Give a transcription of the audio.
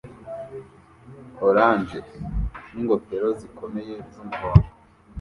orange n'ingofero zikomeye z'umuhondo